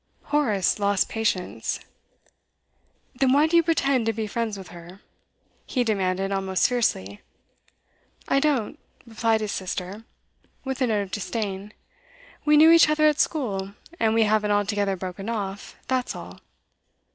Horace lost patience. 'Then why do you pretend to be friends with her?' he demanded almost fiercely. 'I don't,' replied his sister, with a note of disdain. 'We knew each other at school, and we haven't altogether broken off, that's all.